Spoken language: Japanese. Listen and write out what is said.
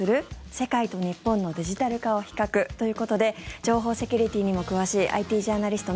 世界と日本のデジタル化を比較ということで情報セキュリティーにも詳しいＩＴジャーナリスト